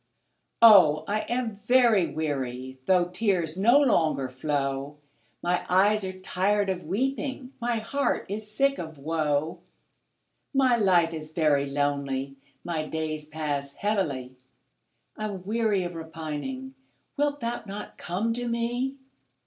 Oh, I am very weary, Though tears no longer flow; My eyes are tired of weeping, My heart is sick of woe; My life is very lonely My days pass heavily, I'm weary of repining; Wilt thou not come to me?